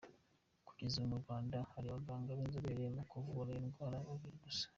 Kugeza ubu mu Rwanda hari abaganga b’inzobere mu kuvura iyo ndwara babiri gusa.